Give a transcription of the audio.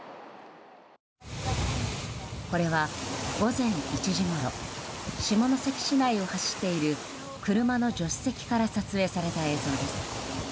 これは、午前１時ごろ下関市内を走っている車の助手席から撮影された映像です。